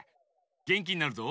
げんきになるぞ。